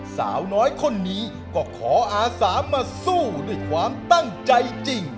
สาวน้อยคนนี้ก็ขออาสามาสู้ด้วยความตั้งใจจริง